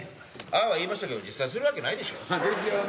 ああは言いましたけど実際するわけないでしょ。ですよね。